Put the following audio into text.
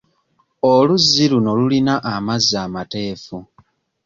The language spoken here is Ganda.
Oluzzi luno lulina amazzi amateefu.